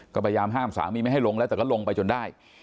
ก็พยายามห้ามสามีไม่ให้ลงแล้วแต่ก็ลงไปจนได้